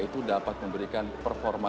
itu dapat memberikan performa